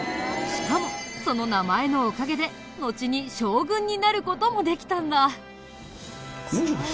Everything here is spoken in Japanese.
しかもその名前のおかげでのちに将軍になる事もできたんだ。